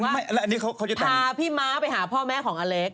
พาพี่ม้าไปหาพ่อแม่ของอเล็ก